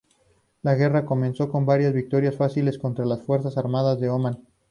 La guerra comenzó con varias victorias fáciles contra las Fuerzas Armadas de Omán.